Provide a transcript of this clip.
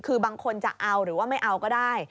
คือบางคนจะเอาหรือว่าไม่เอาก็ได้